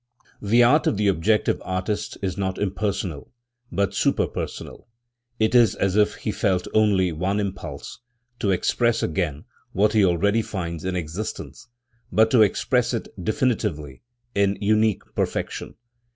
The art of the objective artist is not impersonal, but superpersonal. It is as if he felt only one impulse, to express again what he already finds in existence, but to express it definitively, in unique perfection.